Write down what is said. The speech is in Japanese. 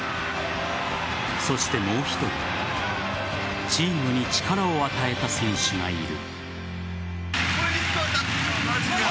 そして、もう１人チームに力を与えた選手がいる。